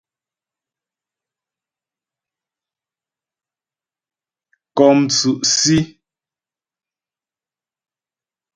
Kɔ́ mtsʉ́' Sí.